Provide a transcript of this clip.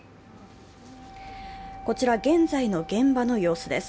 こちら、現在の現場の様子です。